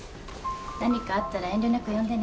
何かあったら遠慮なく呼んでね。